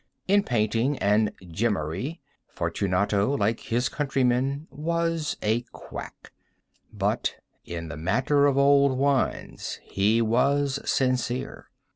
In painting and gemmary, Fortunato, like his countrymen, was a quack—but in the matter of old wines he was sincere.